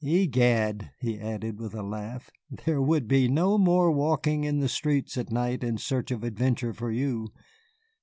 Egad," he added with a laugh, "there would be no more walking the streets at night in search of adventure for you.